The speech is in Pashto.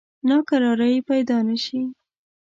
ناکراری پیدا نه شي.